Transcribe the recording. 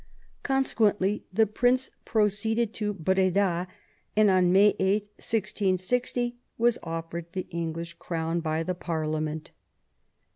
Consequently the Prince proceeded to Breda, and on May 8, 1660, was offered the English Crown by the Parliament.